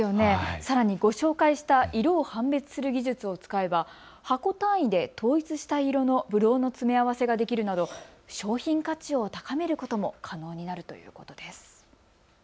さらにご紹介した色を判別する技術を使えば箱単位で統一した色のぶどうの詰め合わせができるなど商品価値を高めることも可能になるということです。